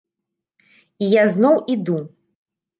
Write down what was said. І я зноў іду!